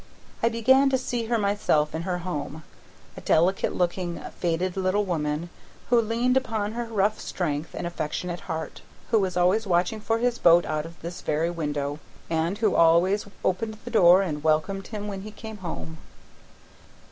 I began to see her myself in her home, a delicate looking, faded little woman, who leaned upon his rough strength and affectionate heart, who was always watching for his boat out of this very window, and who always opened the door and welcomed him when he came home.